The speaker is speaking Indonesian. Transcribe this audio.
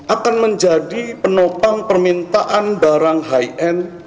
akan menjadi penopang permintaan barang high end